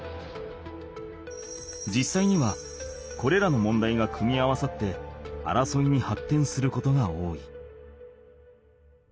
じっさいにはこれらの問題が組み合わさって争いにはってんすることが多い。